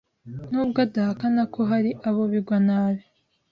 Nubwo adahakana ko hari abo bigwa nabi,